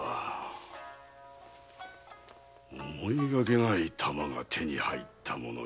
思いがけない玉が手に入ったものよのう。